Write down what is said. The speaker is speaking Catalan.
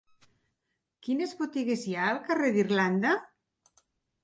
Quines botigues hi ha al carrer d'Irlanda?